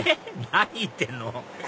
何言ってんの？